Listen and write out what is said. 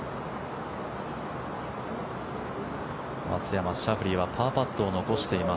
松山、シャフリーはパーパットを残しています。